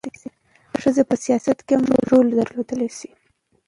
ښځې په سیاست کې هم رول درلودلی شي.